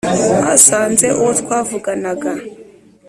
basanze uwo twavuganaga